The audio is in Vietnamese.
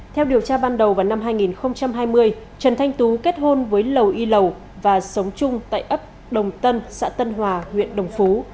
theo điều tra ban đầu vào năm hai nghìn hai mươi trần thanh tú kết hôn với lầu y lầu và sống chung tại ấp đồng tân xã tân hòa huyện đồng phú